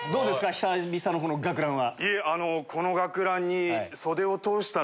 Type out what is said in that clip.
久々の学ランは。